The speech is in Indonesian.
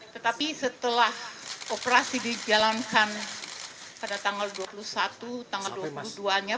tetapi setelah operasi dijalankan pada tanggal dua puluh satu tanggal dua puluh dua nya